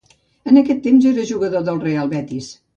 En aquell temps era jugador del Real Betis.